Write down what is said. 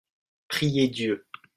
Prier Dieu.